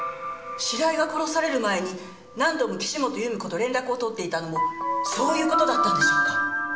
白井が殺される前に何度も岸本由美子と連絡を取っていたのもそういう事だったんでしょうか？